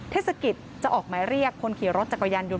เทศกิจจะออกหมายเรียกคนขี่รถจักรยานยนต